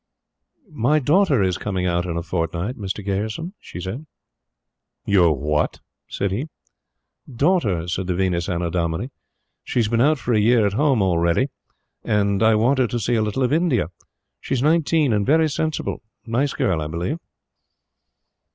"My daughter is coming out in a fortnight, Mr. Gayerson," she said. "Your WHAT?" said he. "Daughter," said the Venus Annodomini. "She's been out for a year at Home already, and I want her to see a little of India. She is nineteen and a very sensible, nice girl I believe."